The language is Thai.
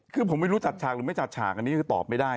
คือผมไม่รู้จัดฉากหรือไม่จัดฉากอันนี้คือตอบไม่ได้